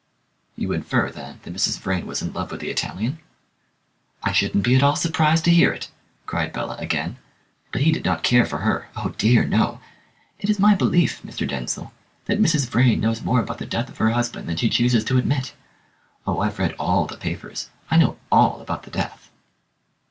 "You infer, then, that Mrs. Vrain was in love with the Italian?" "I shouldn't be at all surprised to hear it," cried Bella again. "But he did not care for her! Oh, dear, no! It is my belief, Mr. Denzil, that Mrs. Vrain knows more about the death of her husband than she chooses to admit. Oh, I've read all the papers; I know all about the death."